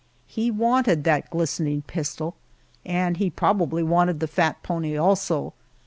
He wanted that glistening pistol, and he probably wanted the fat pony also.